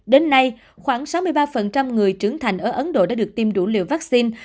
đến nay khoảng sáu mươi ba người trưởng thành ở ấn độ đã được tiêm đủ liều vaccine